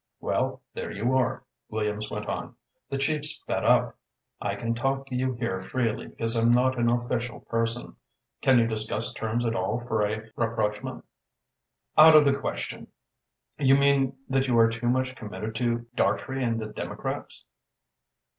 "Well, there you are," Williams went on. "The Chief's fed up. I can talk to you here freely because I'm not an official person. Can you discuss terms at all for a rapprochement?" "Out of the question!" "You mean that you are too much committed to Dartrey and the Democrats?"